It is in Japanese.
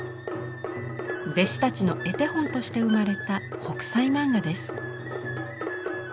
弟子たちの絵手本として生まれた「北斎漫画」です。